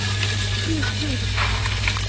ঠিক, ঠিক!